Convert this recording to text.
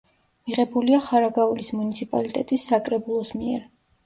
მიღებულია ხარაგაულის მუნიციპალიტეტის საკრებულოს მიერ.